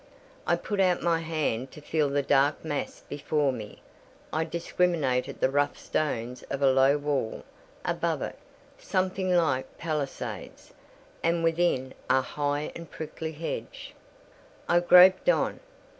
I put out my hand to feel the dark mass before me: I discriminated the rough stones of a low wall—above it, something like palisades, and within, a high and prickly hedge. I groped on.